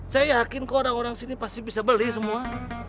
saya yakin kok orang orang sini pasti bisa beli semua